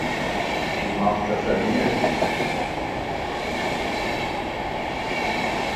تو مانک پيسا ڏيندين